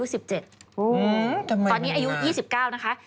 อืมทำไมมันมีมากตอนนี้อายุ๒๙นะคะ